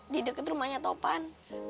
di deket rumahnya topan